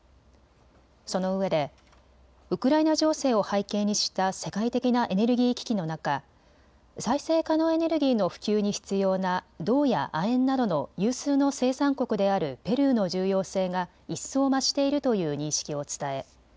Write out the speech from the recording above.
そのうえでウクライナ情勢を背景にした世界的なエネルギー危機の中、再生可能エネルギーの普及に必要な銅や亜鉛などの有数の生産国であるペルーの重要性が一層増しているという認識を伝え